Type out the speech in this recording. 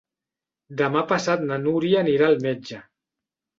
Demà passat na Núria anirà al metge.